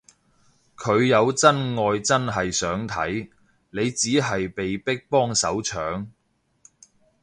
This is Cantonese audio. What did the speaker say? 佢有真愛真係想睇，你只係被逼幫手搶